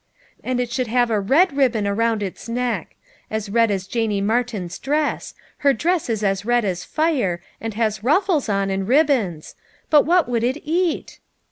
" And it should have a red ribbon around its neck ; as red as Janie Martin's dress ; her dress is as red as fire, and has ruffles on, and ribbons. But what would it eat?"